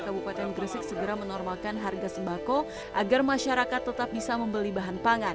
kabupaten gresik segera menormalkan harga sembako agar masyarakat tetap bisa membeli bahan pangan